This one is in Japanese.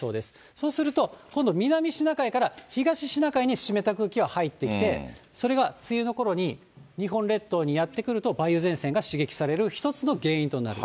そうすると、今度、南シナ海から東シナ海に湿った空気が入ってきて、それが梅雨のころに日本列島にやって来ると、梅雨前線が刺激される一つの原因となる。